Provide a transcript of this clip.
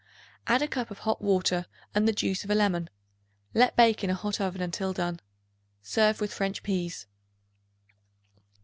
Add a cup of hot water and the juice of a lemon. Let bake in a hot oven until done. Serve with French peas.